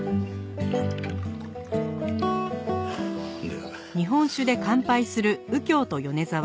では。